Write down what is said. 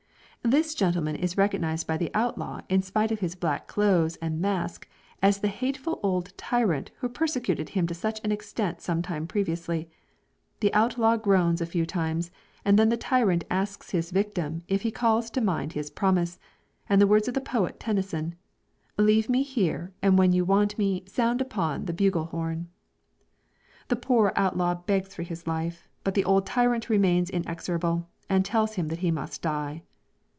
This gentleman is recognized by the outlaw in spite of his black clothes and mask, as the hateful old tyrant who persecuted him to such an extent some time previously. The outlaw groans a few times, and then the tyrant asks his victim if he calls to mind his promise, and the words of the poet Tennyson, "Leave me here, and when you want me Sound upon the bugle horn." The poor outlaw begs for his life; but the old tyrant remains inexorable, and tells him that he must die.